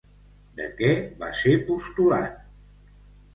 De què va ser postulant?